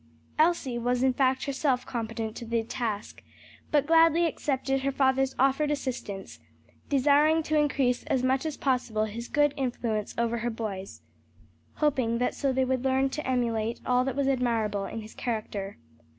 Elsie was in fact herself competent to the task, but gladly accepted her father's offered assistance; desiring to increase as much as possible his good influence over her boys, hoping that so they would learn to emulate all that was admirable in his character.